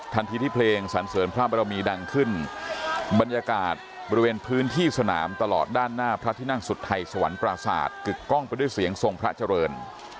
ทันทีที่เพลงสันเสริญพระบรมีดังขึ้นบรรยากาศบริเวณพื้นที่สนามตลอดด้านหน้าพระที่นั่งสุดไทยสวรรค์ปราศาสตร์กึกกล้องไปด้วยเสียงทรงพระเจริญ